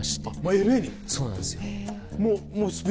そうなんですよ。